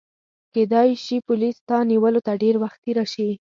کیدای شي پولیس ستا نیولو ته ډېر وختي راشي.